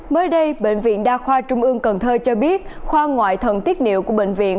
mới đây bệnh viện đa khoa trung ương cần thơ cho biết khoa ngoại thần tiết niệu của bệnh viện